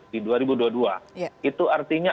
di dua ribu dua puluh dua itu artinya